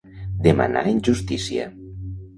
Demanar en justícia.